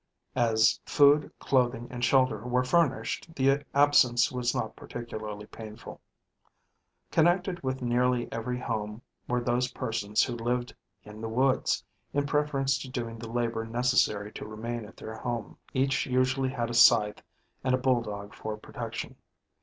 As food, clothing, and shelter were furnished, the absence was not particularly painful. Connected with nearly every home were those persons who lived "in the woods" in preference to doing the labor necessary to remain at their home. Each usually had a scythe and a bulldog for protection.